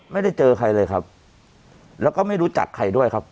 ไม่ได้เจอใครเลยครับแล้วก็ไม่รู้จักใครด้วยครับ